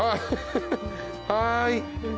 はい。